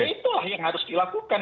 itulah yang harus dilakukan